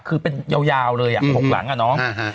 คือเป็นยาวเลย๖หลังอะเนาะ